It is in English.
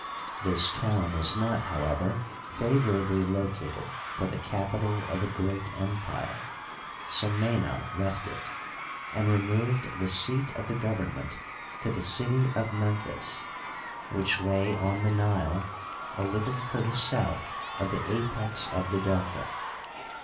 This town was not, how ever, favorably located lor the capital of a great empire ; so Mena left it, and removed the seat of the government to the city of Memphis, which lay on the Nile a little to the south of the apex of the Delta.